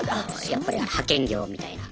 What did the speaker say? やっぱり派遣業みたいな。